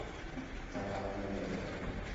তাই আমিও যাইনি।